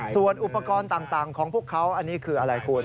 ส่วนอุปกรณ์ต่างของพวกเขาอันนี้คืออะไรคุณ